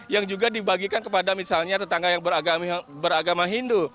yang juga dibagikan kepada misalnya tetangga yang beragama hindu